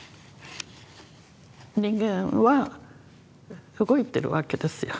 人間は動いてるわけですよ。